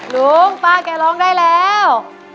ลุงป้าแกร้องได้แล้ว